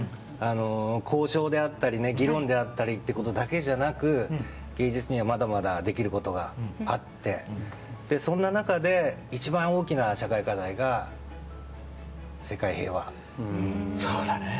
交渉であったり議論であったりだけじゃなく芸術にはまだまだできることがあってそんな中で一番大きな社会課題が世界平和。